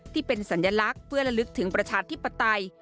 ที่เป็นสัญลักษณ์เพื่อระลึกถึงประชาธิปไตย